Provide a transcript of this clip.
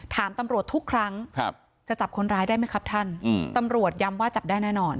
ถามตำรวจทุกครั้งจะจับคนร้ายได้ไหมครับท่านตำรวจย้ำว่าจับได้แน่นอน